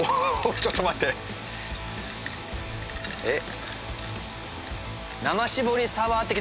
ちょっと待ってえっ！